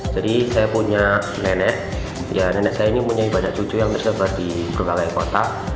jadi saya punya nenek ya nenek saya ini punya banyak cucu yang tersebar di berbagai kota